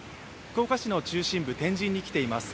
福岡市の中心部天神に来ています。